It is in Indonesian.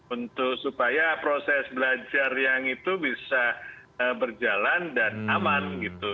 untuk supaya proses belajar yang itu bisa berjalan dan aman gitu